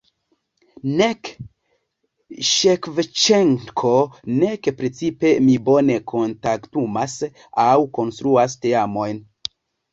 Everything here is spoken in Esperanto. Nek Ŝevĉenko nek precipe mi bone kontaktumas aŭ konstruas teamojn.